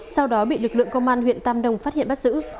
sau đó bị lực lượng công an huyện tam đông phát hiện bắt giữ